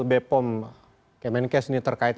b pom kemenkes ini terkait